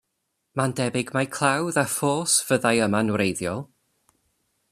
Mae'n debyg mai clawdd a ffos fyddai yma'n wreiddiol.